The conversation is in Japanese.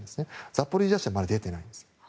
ザポリージャ州はまだ出ていないんです。